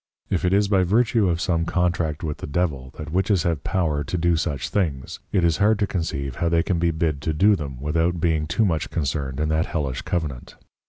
If it is by vertue of some Contract with the Devil that witches have Power to do such things, it is hard to conceive how they can be bid to do them, without being too much concerned in that Hellish Covenant.